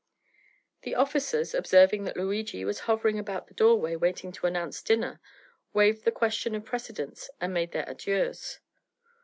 The officers, observing that Luigi was hovering about the doorway waiting to announce dinner, waived the question of precedence and made their adieus.